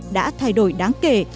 đã thay đổi đáng kể